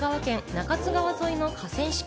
中津川沿いの河川敷。